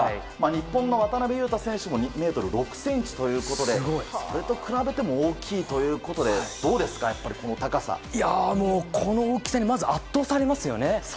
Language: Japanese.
日本の渡邊雄太選手も２ｍ６ｃｍということでそれと比べても大きいということで、どうですかこの大きさにまず圧倒されますよね。